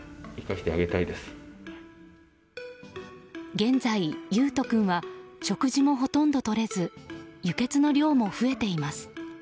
現在、維斗君は食事もほとんど取れず輸血の量も増えています。